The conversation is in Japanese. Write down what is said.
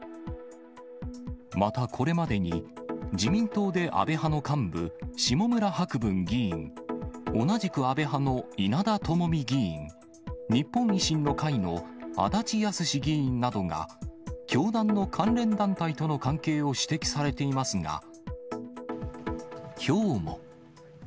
また、これまでに、自民党で安倍派の幹部、下村博文議員、同じく安倍派の稲田朋美議員、日本維新の会の足立康史議員などが、教団の関連団体との関係を指摘されていますが、きょうも。